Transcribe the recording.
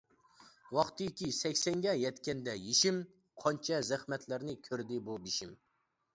ۋاقتىكى سەكسەنگە يەتكەندە يېشىم، قانچە زەخمەتلەرنى كۆردى بۇ بېشىم.